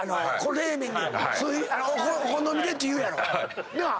冷麺に酢お好みでって言うやろ。なあ？